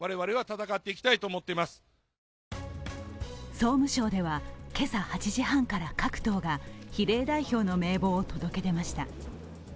総務省では、今朝８時半から各党が比例代表の名簿を届け出ました。